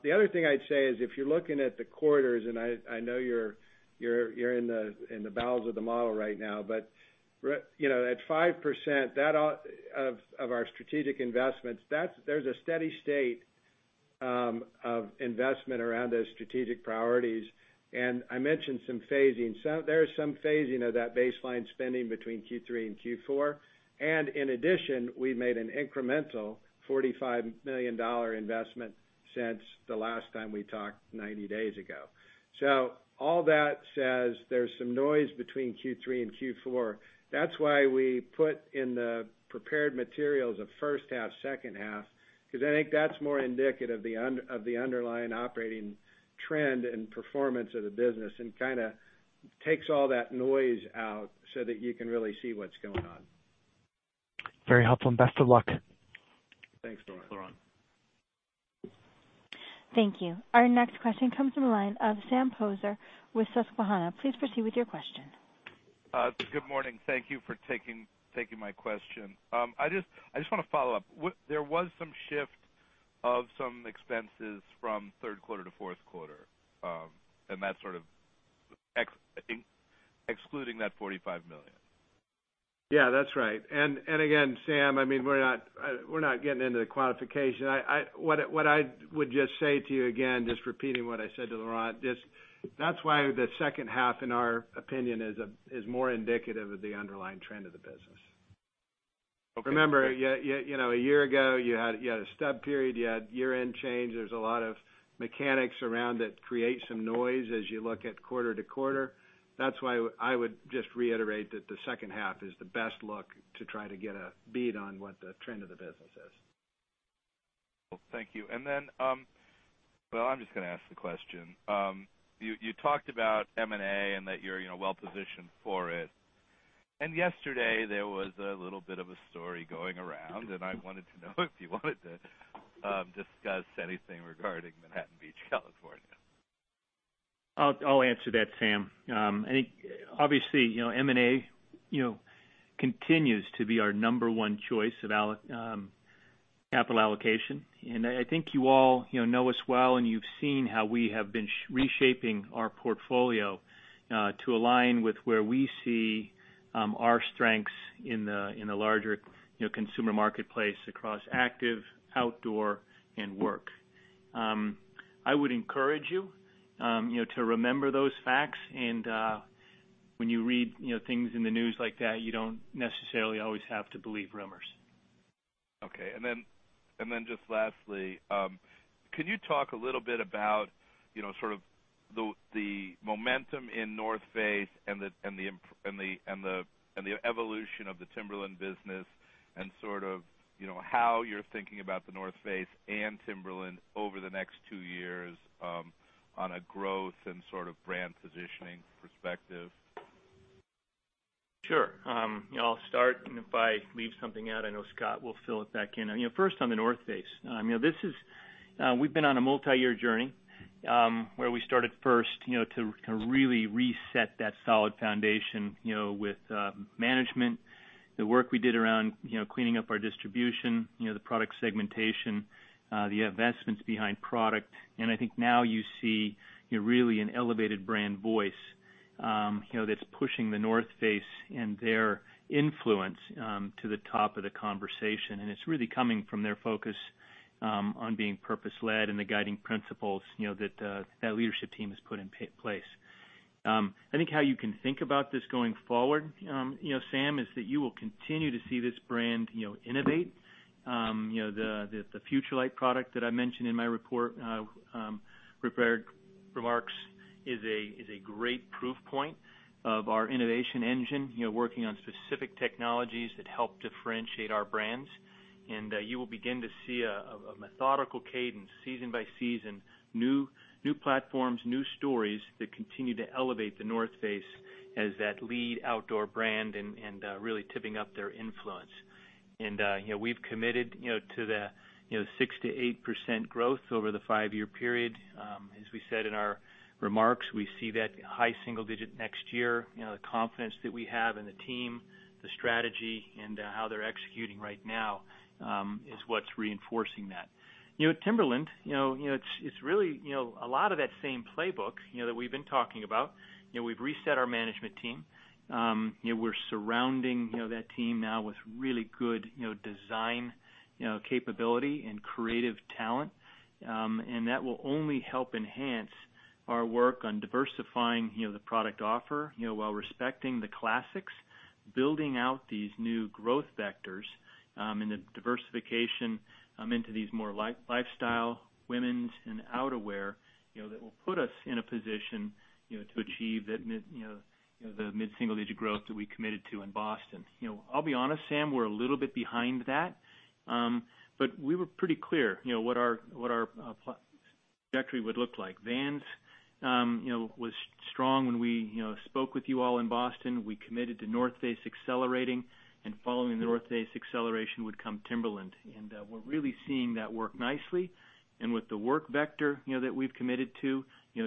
The other thing I'd say is, if you're looking at the quarters, and I know you're in the bowels of the model right now, but at 5% of our strategic investments, there's a steady state of investment around those strategic priorities. I mentioned some phasing. There is some phasing of that baseline spending between Q3 and Q4. In addition, we made an incremental $45 million investment since the last time we talked 90 days ago. All that says there's some noise between Q3 and Q4. That's why we put in the prepared materials of first half, second half, because I think that's more indicative of the underlying operating trend and performance of the business and takes all that noise out so that you can really see what's going on. Very helpful and best of luck. Thanks, Laurent. Thank you. Our next question comes from the line of Sam Poser with Susquehanna. Please proceed with your question. Good morning. Thank you for taking my question. I just want to follow up. There was some shift of some expenses from third quarter to fourth quarter, excluding that $45 million. Again, Sam, we're not getting into the qualification. What I would just say to you, again, just repeating what I said to Laurent, that's why the second half, in our opinion, is more indicative of the underlying trend of the business. Remember, a year ago, you had a stub period, you had year-end change. There's a lot of mechanics around it, create some noise as you look at quarter-to-quarter. That's why I would just reiterate that the second half is the best look to try to get a bead on what the trend of the business is. Thank you. Then, well, I'm just going to ask the question. You talked about M&A and that you're well positioned for it. Yesterday, there was a little bit of a story going around, and I wanted to know if you wanted to discuss anything regarding Manhattan Beach, California. I'll answer that, Sam. I think obviously, M&A continues to be our number one choice of capital allocation. I think you all know us well, and you've seen how we have been reshaping our portfolio to align with where we see our strengths in the larger consumer marketplace across active, outdoor, and work. I would encourage you to remember those facts, and when you read things in the news like that, you don't necessarily always have to believe rumors. Okay. Then just lastly, can you talk a little bit about the momentum in The North Face and the evolution of the Timberland business and how you're thinking about The North Face and Timberland over the next two years on a growth and brand positioning perspective? Sure. I will start and if I leave something out, I know Scott will fill it back in. First on The North Face. We've been on a multi-year journey, where we started first to really reset that solid foundation with management, the work we did around cleaning up our distribution, the product segmentation, the investments behind product. I think now you see really an elevated brand voice that's pushing The North Face and their influence to the top of the conversation. It's really coming from their focus on being purpose-led and the guiding principles that that leadership team has put in place. I think how you can think about this going forward, Sam, is that you will continue to see this brand innovate. The FUTURELIGHT product that I mentioned in my report prepared remarks is a great proof point of our innovation engine, working on specific technologies that help differentiate our brands. You will begin to see a methodical cadence season by season, new platforms, new stories that continue to elevate The North Face as that lead outdoor brand and really tipping up their influence. We've committed to the 6%-8% growth over the five-year period. As we said in our remarks, we see that high single-digit next year. The confidence that we have in the team, the strategy, and how they're executing right now, is what's reinforcing that. Timberland, it's really a lot of that same playbook that we've been talking about. We've reset our management team. We're surrounding that team now with really good design capability and creative talent. That will only help enhance our work on diversifying the product offer while respecting the classics, building out these new growth vectors in the diversification into these more lifestyle, women's, and outerwear that will put us in a position to achieve the mid-single-digit growth that we committed to in Boston. I'll be honest, Sam, we're a little bit behind that. We were pretty clear what our trajectory would look like. Vans was strong when we spoke with you all in Boston. We committed to The North Face accelerating, following The North Face acceleration would come Timberland. We're really seeing that work nicely. With the work vector that we've committed to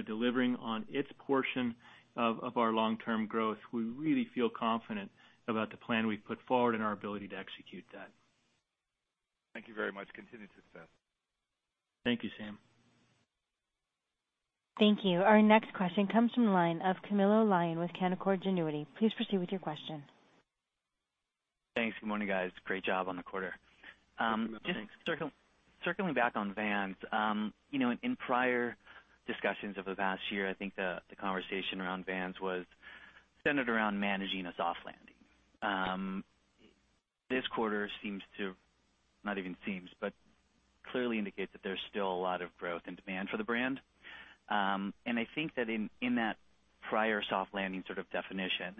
delivering on its portion of our long-term growth, we really feel confident about the plan we've put forward and our ability to execute that. Thank you very much. Continued success. Thank you, Sam. Thank you. Our next question comes from the line of Camilo Lyon with Canaccord Genuity. Please proceed with your question. Thanks. Good morning, guys. Great job on the quarter. Thanks. Just circling back on Vans. In prior discussions over the past year, I think the conversation around Vans was centered around managing a soft landing. This quarter seems to, not even seems, but clearly indicates that there's still a lot of growth and demand for the brand. I think that in that prior soft landing sort of definition,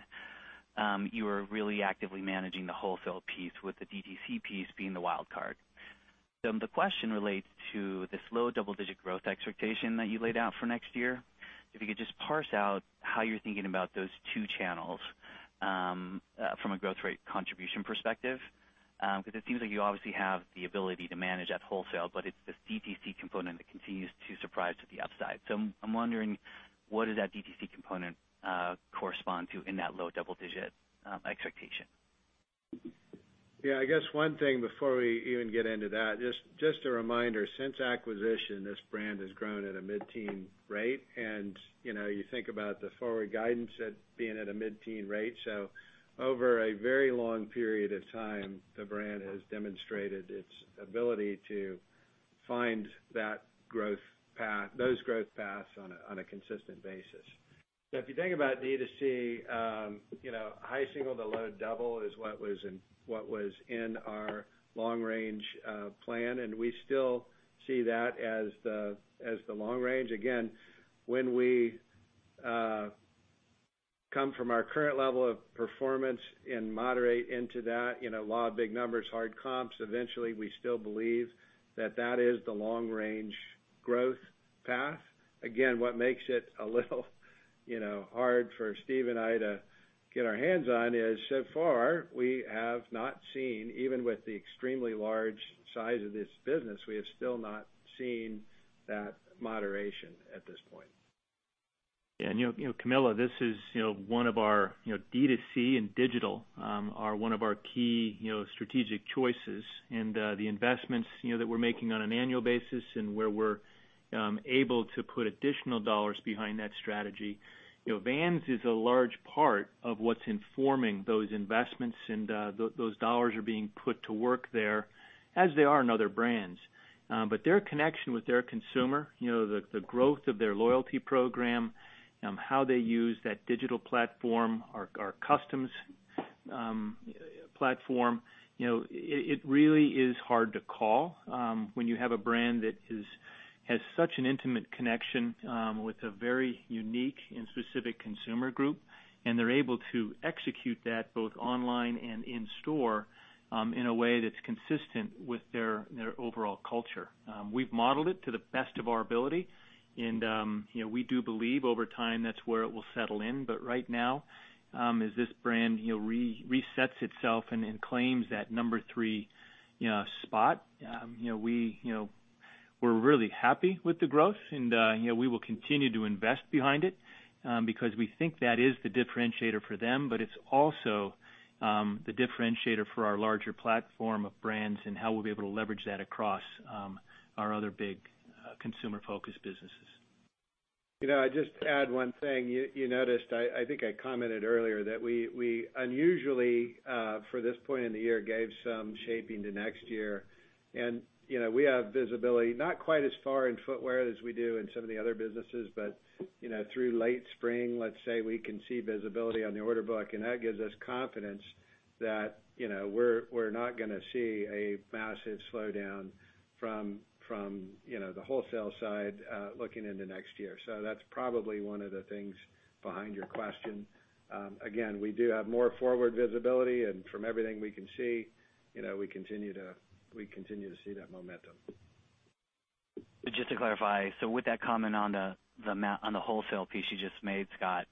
you were really actively managing the wholesale piece with the DTC piece being the wild card. The question relates to the slow double-digit growth expectation that you laid out for next year. If you could just parse out how you're thinking about those two channels from a growth rate contribution perspective. It seems like you obviously have the ability to manage that wholesale, but it's the DTC component that continues to surprise to the upside. I'm wondering, what does that DTC component correspond to in that low double-digit expectation? Yeah, I guess one thing before we even get into that, just a reminder, since acquisition, this brand has grown at a mid-teen rate. You think about the forward guidance at being at a mid-teen rate. Over a very long period of time, the brand has demonstrated its ability to find those growth paths on a consistent basis. If you think about DTC, high single to low double is what was in our long range plan, and we still see that as the long range. Again, when we come from our current level of performance and moderate into that, law of big numbers, hard comps, eventually we still believe that that is the long-range growth path. Again, what makes it a little hard for Steve and I to get our hands on is, so far, we have not seen, even with the extremely large size of this business, we have still not seen that moderation at this point. Yeah. Camilo, DTC and digital are one of our key strategic choices, and the investments that we're making on an annual basis and where we're able to put additional dollars behind that strategy. Vans is a large part of what's informing those investments, and those dollars are being put to work there as they are in other brands. Their connection with their consumer, the growth of their loyalty program, how they use that digital platform, our customs platform, it really is hard to call when you have a brand that has such an intimate connection with a very unique and specific consumer group, and they're able to execute that both online and in store in a way that's consistent with their overall culture. We've modeled it to the best of our ability, and we do believe over time, that's where it will settle in. Right now, as this brand resets itself and claims that number three spot. We're really happy with the growth and we will continue to invest behind it, because we think that is the differentiator for them, but it's also the differentiator for our larger platform of brands and how we'll be able to leverage that across our other big consumer-focused businesses. I just add one thing. You noticed, I think I commented earlier that we unusually, for this point in the year, gave some shaping to next year. We have visibility, not quite as far in footwear as we do in some of the other businesses, but through late spring, let's say, we can see visibility on the order book, and that gives us confidence that we're not going to see a massive slowdown from the wholesale side looking into next year. That's probably one of the things behind your question. Again, we do have more forward visibility, and from everything we can see, we continue to see that momentum. Just to clarify, with that comment on the wholesale piece you just made, Scott,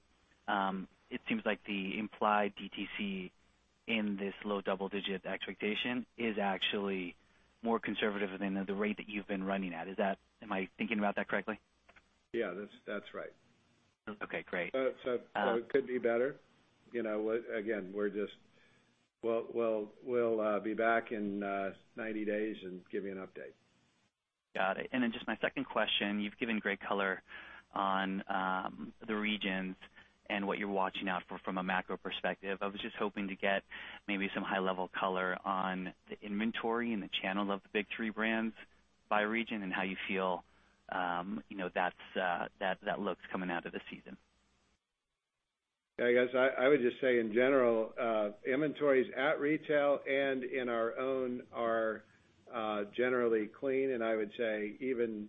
it seems like the implied D2C in this low double-digit expectation is actually more conservative than the rate that you've been running at. Am I thinking about that correctly? Yeah. That's right. Okay, great. It could be better. Again, we'll be back in 90 days and give you an update. Got it. Then just my second question. You've given great color on the regions and what you're watching out for from a macro perspective. I was just hoping to get maybe some high-level color on the inventory and the channel of the Big Three brands by region and how you feel that looks coming out of the season. I guess I would just say in general, inventories at retail and in our own are generally clean, and I would say even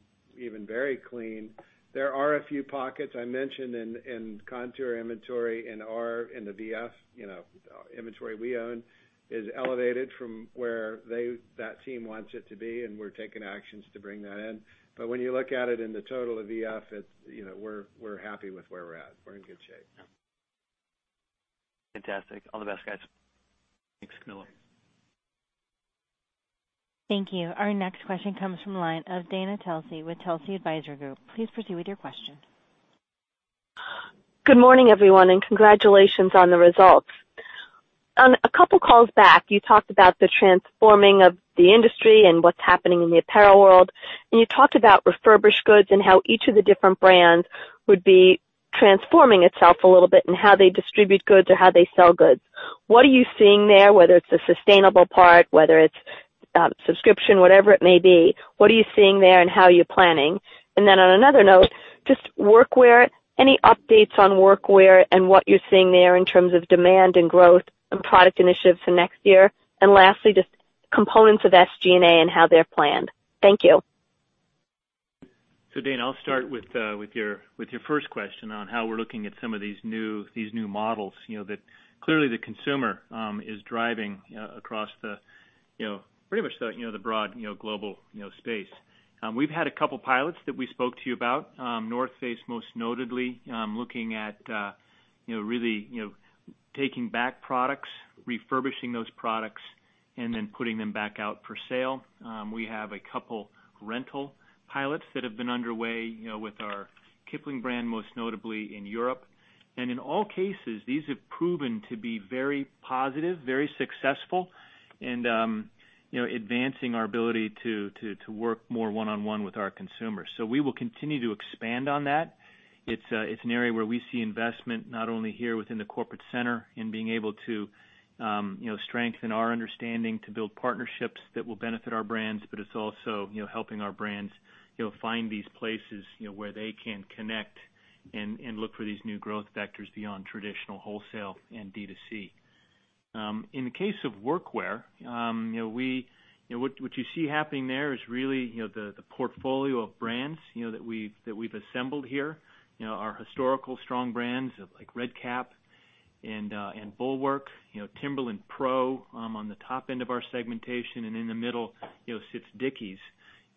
very clean. There are a few pockets I mentioned in Kontoor inventory and are in the VF inventory we own is elevated from where that team wants it to be, and we're taking actions to bring that in. When you look at it in the total of VF, we're happy with where we're at. We're in good shape. Yeah. Fantastic. All the best, guys. Thanks, Camilo. Thank you. Our next question comes from the line of Dana Telsey with Telsey Advisory Group. Please proceed with your question. Good morning, everyone, and congratulations on the results. On a couple of calls back, you talked about the transforming of the industry and what's happening in the apparel world, and you talked about refurbished goods and how each of the different brands would be transforming itself a little bit and how they distribute goods or how they sell goods. What are you seeing there, whether it's the sustainable part, whether it's subscription, whatever it may be. What are you seeing there and how are you planning? On another note, just workwear. Any updates on workwear and what you're seeing there in terms of demand and growth and product initiatives for next year? Lastly, just components of SG&A and how they're planned. Thank you. Dana, I'll start with your first question on how we're looking at some of these new models that clearly the consumer is driving across the pretty much the broad global space. We've had two pilots that we spoke to you about. The North Face most notably, looking at really taking back products, refurbishing those products, and then putting them back out for sale. We have two rental pilots that have been underway with our Kipling brand, most notably in Europe. In all cases, these have proven to be very positive, very successful and advancing our ability to work more one-on-one with our consumers. We will continue to expand on that. It's an area where we see investment, not only here within the corporate center in being able to strengthen our understanding to build partnerships that will benefit our brands, but it's also helping our brands find these places where they can connect and look for these new growth vectors beyond traditional wholesale and D2C. In the case of workwear, what you see happening there is really the portfolio of brands that we've assembled here. Our historical strong brands like Red Kap and Bulwark, Timberland PRO on the top end of our segmentation, and in the middle sits Dickies.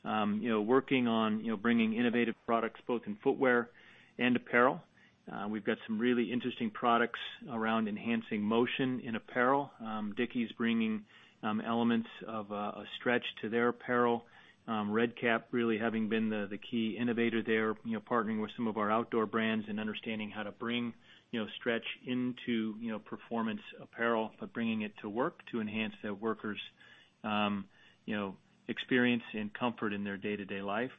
Working on bringing innovative products both in footwear and apparel. We've got some really interesting products around enhancing motion in apparel. Dickies bringing elements of a stretch to their apparel. Red Kap really having been the key innovator there, partnering with some of our outdoor brands and understanding how to bring stretch into performance apparel, but bringing it to work to enhance the workers' experience and comfort in their day-to-day life.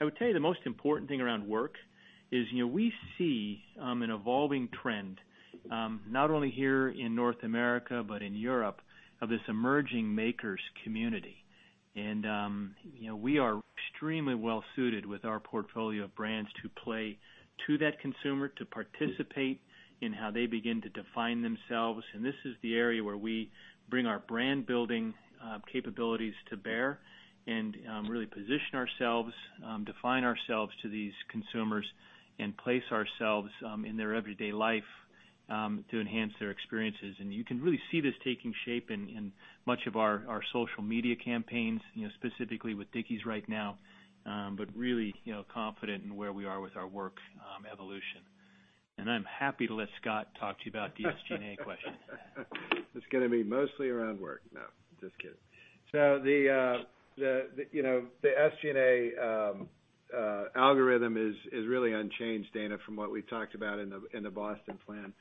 I would tell you the most important thing around work is we see an evolving trend, not only here in North America, but in Europe, of this emerging makers community. We are extremely well-suited with our portfolio of brands to play to that consumer, to participate in how they begin to define themselves. This is the area where we bring our brand-building capabilities to bear and really position ourselves, define ourselves to these consumers, and place ourselves in their everyday life to enhance their experiences. You can really see this taking shape in much of our social media campaigns, specifically with Dickies right now, but really confident in where we are with our work evolution. I'm happy to let Scott talk to you about the SG&A question. It's going to be mostly around work. No, just kidding. The SG&A algorithm is really unchanged, Dana, from what we talked about in the Boston plan.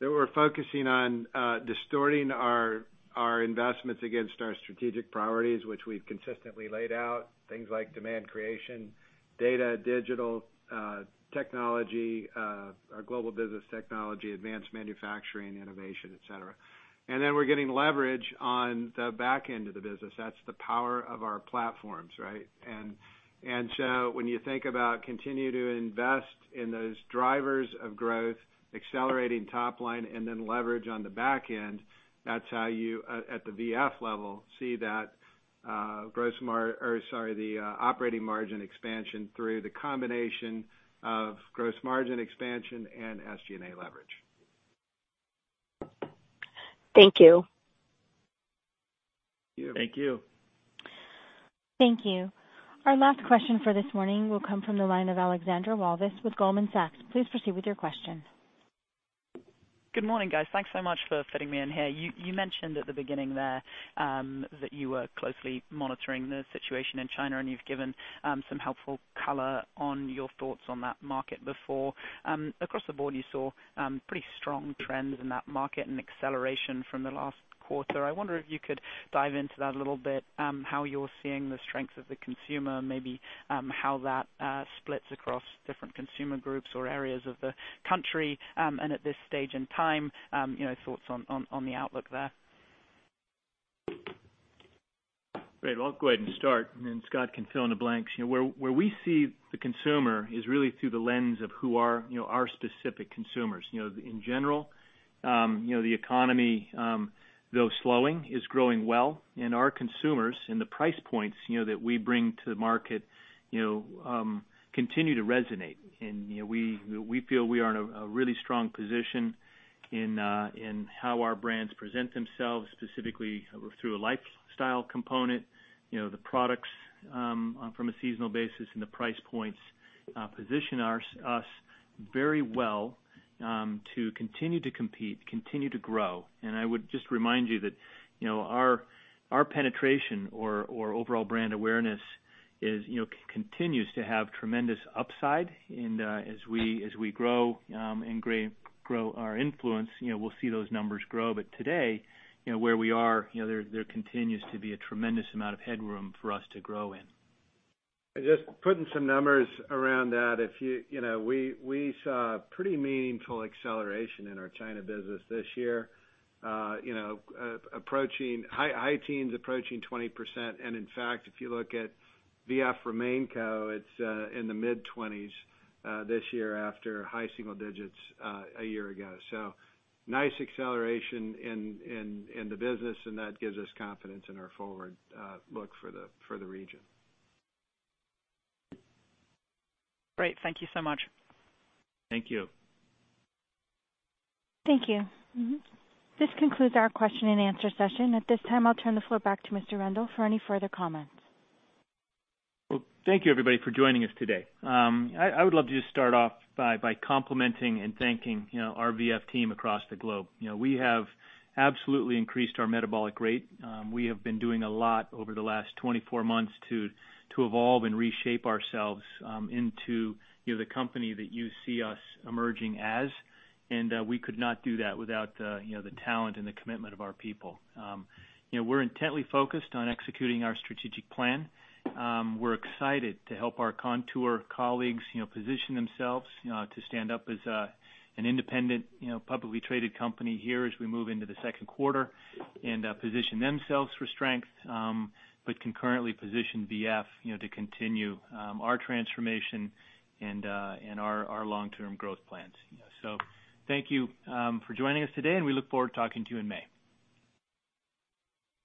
That we're focusing on distorting our investments against our strategic priorities, which we've consistently laid out. Things like demand creation, data, digital, technology, our global business technology, advanced manufacturing, innovation, et cetera. Then we're getting leverage on the back end of the business. That's the power of our platforms, right? When you think about continuing to invest in those drivers of growth, accelerating top line, and then leverage on the back end, that's how you, at the VF level, see the operating margin expansion through the combination of gross margin expansion and SG&A leverage. Thank you. Thank you. Thank you. Thank you. Our last question for this morning will come from the line of Alexandra Walvis with Goldman Sachs. Please proceed with your question. Good morning, guys. Thanks so much for fitting me in here. You mentioned at the beginning there that you were closely monitoring the situation in China. You've given some helpful color on your thoughts on that market before. Across the board, you saw pretty strong trends in that market and acceleration from the last quarter. I wonder if you could dive into that a little bit, how you're seeing the strength of the consumer, maybe how that splits across different consumer groups or areas of the country. At this stage in time, thoughts on the outlook there. Great. Well, I'll go ahead and start, then Scott can fill in the blanks. Where we see the consumer is really through the lens of who are our specific consumers. In general the economy, though slowing, is growing well. Our consumers and the price points that we bring to the market continue to resonate. We feel we are in a really strong position in how our brands present themselves, specifically through a lifestyle component. The products from a seasonal basis and the price points position us very well to continue to compete, continue to grow. I would just remind you that our penetration or overall brand awareness continues to have tremendous upside. As we grow and grow our influence, we'll see those numbers grow. Today, where we are, there continues to be a tremendous amount of headroom for us to grow in. Just putting some numbers around that. We saw a pretty meaningful acceleration in our China business this year. High teens approaching 20%. In fact, if you look at VF RemainCo, it's in the mid-20s this year after high single digits a year ago. Nice acceleration in the business, that gives us confidence in our forward look for the region. Great. Thank you so much. Thank you. Thank you. This concludes our question and answer session. At this time, I'll turn the floor back to Mr. Rendle for any further comments. Thank you everybody for joining us today. I would love to just start off by complimenting and thanking our VF team across the globe. We have absolutely increased our metabolic rate. We have been doing a lot over the last 24 months to evolve and reshape ourselves into the company that you see us emerging as. We could not do that without the talent and the commitment of our people. We're intently focused on executing our strategic plan. We're excited to help our Kontoor colleagues position themselves to stand up as an independent, publicly traded company here as we move into the second quarter and position themselves for strength, but concurrently position VF to continue our transformation and our long-term growth plans. Thank you for joining us today, and we look forward to talking to you in May.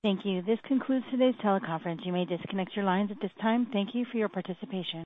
Thank you. This concludes today's teleconference. You may disconnect your lines at this time. Thank you for your participation.